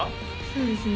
そうですね